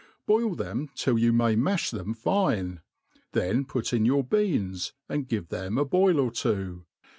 Boil them till you, may maih them fine,, then put in yoiir beans, and give them, a bpil 01 two.